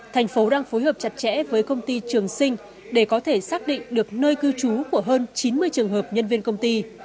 thành phố đang phối hợp chặt chẽ với công ty trường sinh để có thể xác định được nơi cư trú của hơn chín mươi trường hợp nhân viên công ty